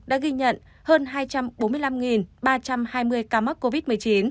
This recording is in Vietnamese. tỉnh bình dương đã ghi nhận hơn hai trăm bốn mươi năm ba trăm hai mươi ca mắc covid một mươi chín